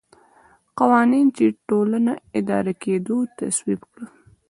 قوانین چې ټولنه اداره کېده تصویب کړي.